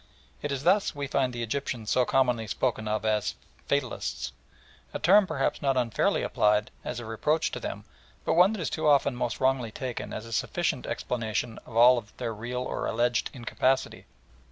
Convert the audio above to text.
It is thus we find the Egyptians so commonly spoken of as "fatalists" a term perhaps not unfairly applied as a reproach to them, but one that is too often most wrongly taken as a sufficient explanation of all their real or alleged incapacity.